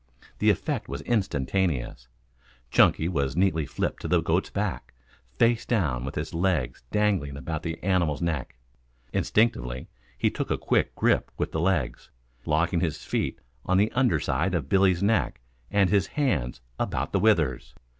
The effect was instantaneous. Chunky was neatly flipped to the goat's back, face down with his legs dangling about the animal's neck. Instinctively he took a quick grip with the legs, locking his feet on the underside of Billy's neck and his hands about the withers.